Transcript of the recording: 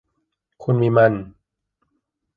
คุณมีมัน